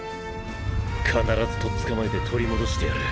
必ずとっ捕まえて取り戻してやる。